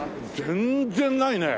全然ないね。